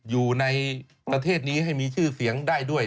อยู่ในประเทศนี้ให้มีชื่อเสียงได้ด้วย